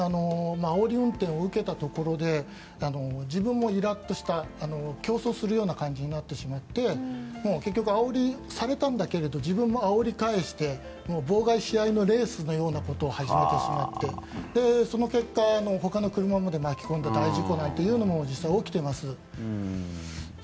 あおり運転を受けたところで自分もイラッとした競走するような感じになってしまって結局、あおりをされたんだけど自分もあおり返して妨害し合いのレースのようなことを始めてしまってその結果ほかの車まで巻き込んだ大事故なんていうのも実際に起きています。